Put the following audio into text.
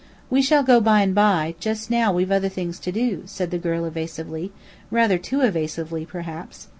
"We shall go by and by; just now we've other things to do," said the girl evasively, rather too evasively, perhaps.